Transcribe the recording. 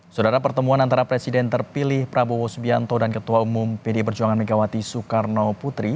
saudara pertemuan antara presiden terpilih prabowo subianto dan ketua umum pd perjuangan megawati soekarno putri